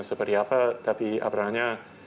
seperti apa tapi apa ranya